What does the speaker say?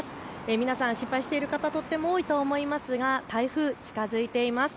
皆さん心配している方、とても多いと思いますが台風近づいています。